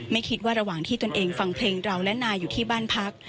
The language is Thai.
ไม่คิดว่าระหว่างที่ตนเองฟังเพลงเราและนายอยู่ที่บ้านพัก